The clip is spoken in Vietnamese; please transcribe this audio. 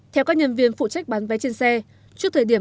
theo các nhân viên phụ trách bán vé trên xe trước thời điểm